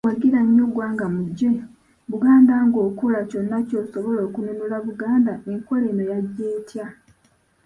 Wagira nnyo Ggwangamujje Buganda ng’okola kyonna ky’osobola Okunnunula Buganda Enkola eno yajja etya?